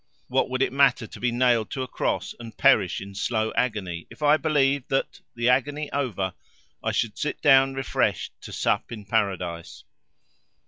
What would it matter to be nailed to a cross and perish in a slow agony if I believed that, the agony over, I should sit down refreshed to sup in paradise?